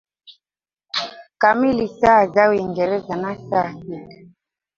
kamili saa za Uingereza na saa sita